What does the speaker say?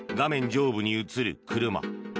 上部に映る車。